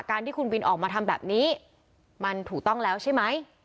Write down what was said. ที่คุณบินออกมาทำแบบนี้มันถูกต้องแล้วใช่ไหม